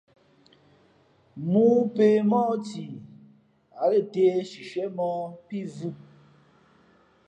̀mōō pě mōh thi, ǎ lα tēh shishiēmōh pí vhʉ̄.